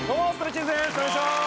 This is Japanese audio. お願いしまーす。